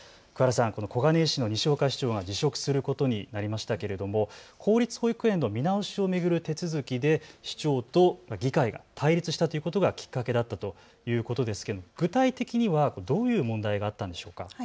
この小金井市の西岡市長が辞職することになりましたけれども公立保育園の見直しを巡る手続きで市長と議会が対立したことがきっかけだったということですが具体的にはどういう問題があったのでしょうか。